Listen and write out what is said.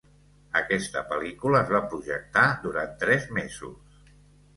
Aquesta pel·lícula es va projectar durant tres mesos.